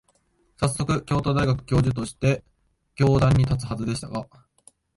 さっそく、京都大学教授として教壇に立つはずでしたが、